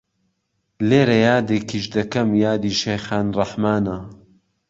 لێرە یادێکیش دەکەم یادی شێخان ڕەحمانە